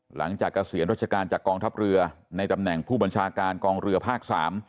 เกษียณราชการจากกองทัพเรือในตำแหน่งผู้บัญชาการกองเรือภาค๓